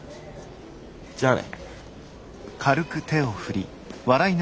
じゃあね。